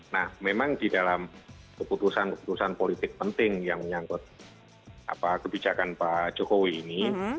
nah memang di dalam keputusan keputusan politik penting yang menyangkut kebijakan pak jokowi ini